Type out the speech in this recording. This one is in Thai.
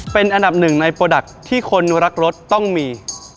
เป็นอันดับหนึ่งในโปรดักต์ที่คนรักรถต้องมี